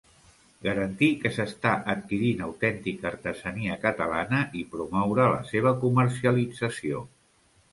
Garantir que s'està adquirint autèntica artesania catalana i promoure la seva comercialització.